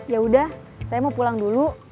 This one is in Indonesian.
ya udah saya mau pulang dulu